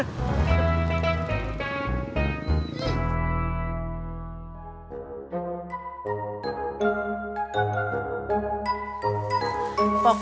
makasih ya bangco